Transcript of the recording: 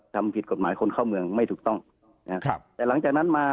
ทำผิดกฎหมายคนเข้าเมืองไม่ถูกต้องนะครับแต่หลังจากนั้นมา